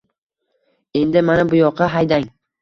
— Endi, mana buyoqqa haydang!